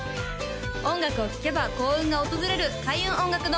音楽を聴けば幸運が訪れる開運音楽堂